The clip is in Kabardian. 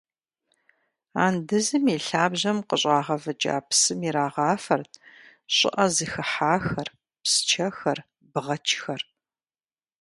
Андызым и лъабжьэм къыщӏагъэвыкӏа псым ирагъафэрт щӏыӏэ зыхыхьахэр, псчэхэр, бгъэчхэр.